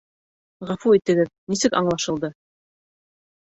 — Ғәфү итегеҙ, нисек аңлашылды?